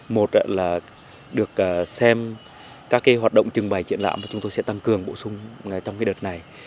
một là được xem các hoạt động trưng bày triển lãm và chúng tôi sẽ tăng cường bổ sung trong đợt này